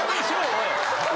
おい！